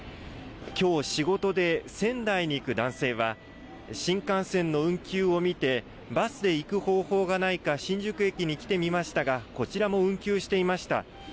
きょう仕事で仙台に行く男性は、新幹線の運休を見て、バスで行く方法がないか新宿駅に来てみましたが、こちらも運休していました。